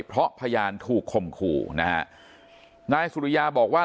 เพราะพยานถูกคมขู่นะฮะนายสุริยาบอกว่า